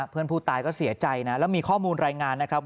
เพื่อนผู้ตายก็เสียใจนะแล้วมีข้อมูลรายงานนะครับ